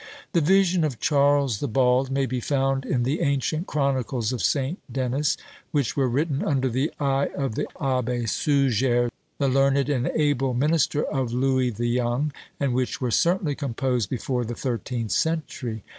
The Vision of Charles the Bald may be found in the ancient chronicles of Saint Denis, which were written under the eye of the Abbé Suger, the learned and able minister of Louis the Young, and which were certainly composed before the thirteenth century.